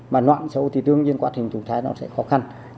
mà loạn xấu thì tương nhiên quá trình thủ thai nó sẽ khó khăn